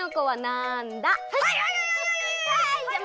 はい！